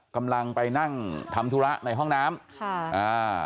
กำลังไปนั่งทำธุระในห้องน้ำค่ะอ่า